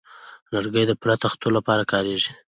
لرګی د پله د تختو لپاره کارېږي.